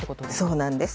そうなんです。